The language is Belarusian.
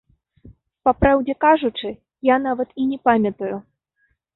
Па праўдзе кажучы, я нават і не памятаю.